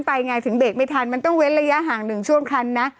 ไงถึงเบรกไม่ทันมันต้องเว้นระยะห่างหนึ่งช่วงคันนะ